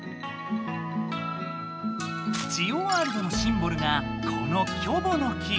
ジオワールドのシンボルがこの「キョボの木」。